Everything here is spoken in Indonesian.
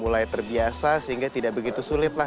mulai terbiasa sehingga tidak begitu sulit lah